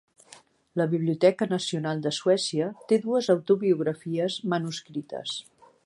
La Biblioteca Nacional de Suècia té dues autobiografies manuscrites.